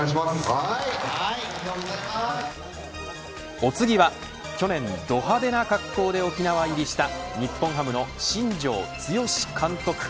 お次は、去年、ど派手な格好で沖縄入りした日本ハムの新庄剛志監督。